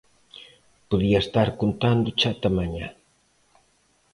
Podía estar contándoche ata mañá.